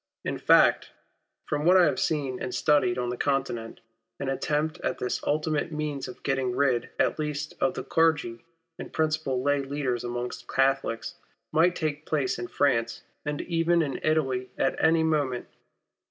In fact, from what I have seen and studied on the Continent, an attempt at this ultimate means of getting rid at least of the clergy and principal lay leo, ders amongst Catholics, might take place in France and even in Italy at any moment.